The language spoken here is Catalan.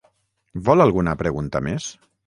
Vol alguna pregunta més?